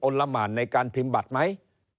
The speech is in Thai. ละหมานในการพิมพ์บัตรไหม